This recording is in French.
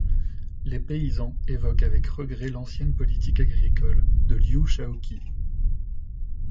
Les paysans évoquent avec regret l'ancienne politique agricole de Liu Shaoqi.